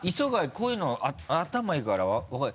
こういうの頭いいから分かる。